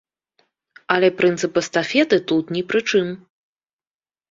Але прынцып эстафеты тут ні пры чым.